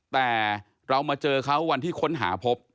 แต่เรามาเจอเขาวันที่ค้นหาพบ